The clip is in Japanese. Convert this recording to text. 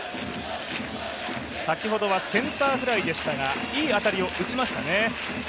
先ほどはセンターフライでしたがいい当たりを打ちましたね。